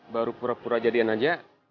baru pura pura jadian aja